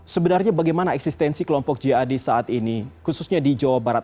sebenarnya bagaimana eksistensi kelompok jad saat ini khususnya di jawa barat